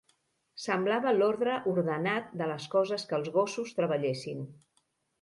Semblava l'ordre ordenat de les coses que els gossos treballessin.